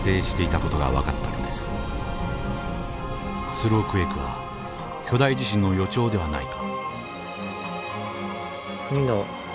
スロークエイクは巨大地震の予兆ではないか。